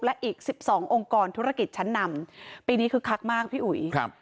และอีกสิบสององค์กรธุรกิจชั้นนำปีนี้คึกคักมากพี่อุ๋ยครับ